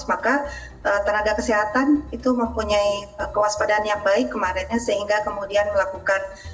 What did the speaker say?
maka tenaga kesehatan itu mempunyai kewaspadaan yang baik kemarinnya sehingga kemudian melakukan